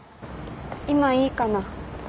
今いいかな？